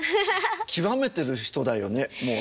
極めてる人だよねもうね。